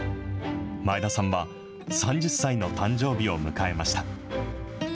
前田さんは３０歳の誕生日を迎えました。